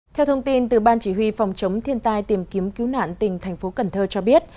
theo thông tin từ ban chỉ huy phòng chống thiên tai tìm kiếm cứu nạn tỉnh thành phố cần thơ cho biết